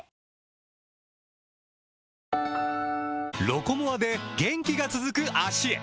「ロコモア」で元気が続く脚へ！